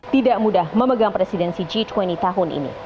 tidak mudah memegang presidensi g dua puluh tahun ini